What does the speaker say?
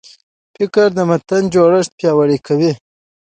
فقره د متن جوړښت پیاوړی کوي.